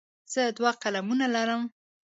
زه دوه قلمونه لرم.